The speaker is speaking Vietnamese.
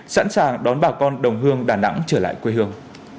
sẵn sàng đón bà con đồng hương đà nẵng trở lại quê hương